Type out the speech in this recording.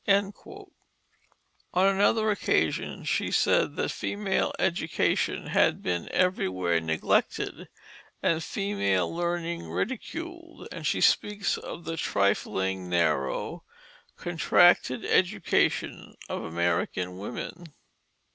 On another occasion she said that female education had been everywhere neglected, and female learning ridiculed, and she speaks of the trifling, narrow, contracted education of American women.